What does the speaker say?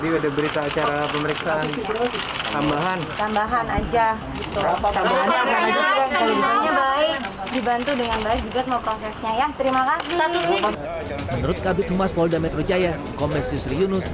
menurut kabupaten khusus polda metro jaya komersiusri yunus